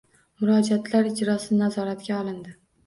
Murojaatlar ijrosi nazoratga olindi